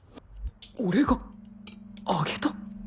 俺があげた？